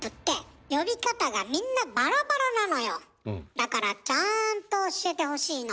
だからちゃんと教えてほしいの。